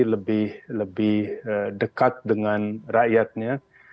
lebih dekat dengan rakyatnya